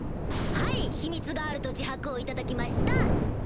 はい秘密があると自白を頂きました！